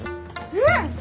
うん！